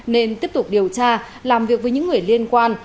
nên tiếp tục điều tra làm việc với những người liên quan